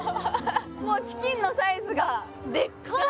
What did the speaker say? もうチキンのサイズがでっかい！